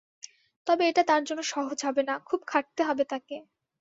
তবে এটা তাঁর জন্য সহজ হবে না, খুব খাটতে হবে তাঁকে।